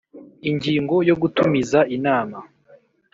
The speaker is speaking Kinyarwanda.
Ingingo yo Gutumiza inama